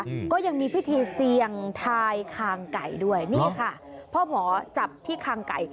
อืมก็ยังมีพิธีเสี่ยงทายคางไก่ด้วยนี่ค่ะพ่อหมอจับที่คางไก่